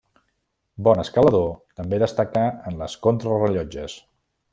Bon escalador, també destacà en les contrarellotges.